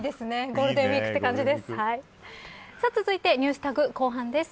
ゴールデンウイークって感じです。